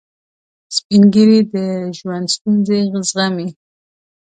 سپین ږیری د ژوند ستونزې زغمي